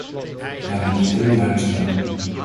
Laat me dit heel duidelijk stellen.